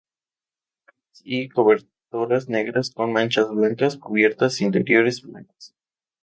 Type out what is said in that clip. Alas y cobertoras negras con manchas blancas; cubiertas interiores blancas.